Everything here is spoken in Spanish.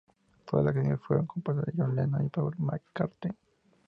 Todas las canciones fueron compuestas por John Lennon y Paul McCartney.